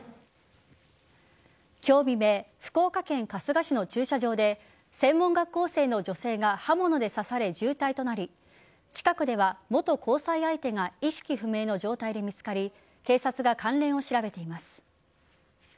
今日未明福岡県春日市の駐車場で専門学校生の女性が刃物で刺され重体となり近くでは元交際相手が意識不明の状態で見つかり警察が関連を調べています。